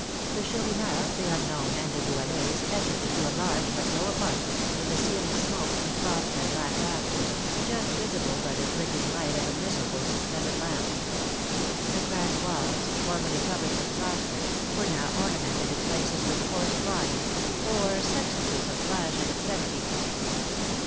The Chourineur, the unknown, and the Goualeuse entered into a large but low apartment, with the ceiling smoked, and crossed by black rafters, just visible by the flickering light of a miserable suspended lamp. The cracked walls, formerly covered with plaster, were now ornamented in places with coarse drawings, or sentences of flash and obscenity.